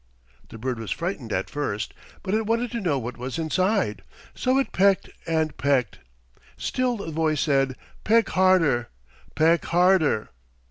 The bird was frightened at first, but it wanted to know what was inside. So it pecked and pecked. Still the voice said, 'Peck harder, peck harder.'